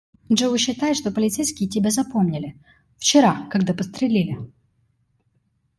Джоуи считает, что полицейские тебя запомнили - вчера, когда подстрелили.